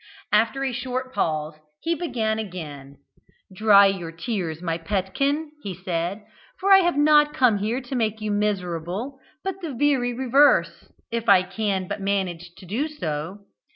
After a short pause he began again: "Dry your tears, my petkin," he said, "for I have not come here to make you miserable, but the very reverse, if I can but manage to do so.